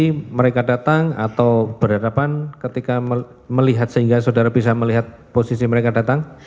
mereka datang atau berhadapan ketika melihat sehingga saudara bisa melihat posisi mereka datang